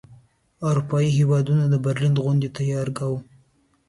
اروپايي هیوادونو د برلین غونډې ته تیاری کاوه.